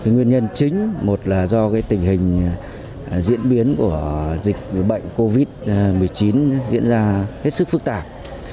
nguyên nhân chính một là do tình hình diễn biến của dịch bệnh covid một mươi chín diễn ra hết sức phức tạp